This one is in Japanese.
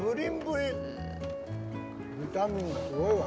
ビタミンがすごいわ。